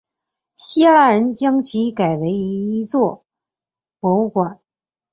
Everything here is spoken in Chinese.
希腊人将其改为一座博物馆。